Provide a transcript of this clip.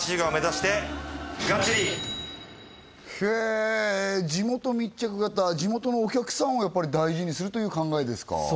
へえ地元密着型地元のお客さんをやっぱり大事にするという考えですか